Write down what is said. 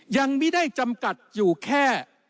ยังไม่ได้จำกัดอยู่แค่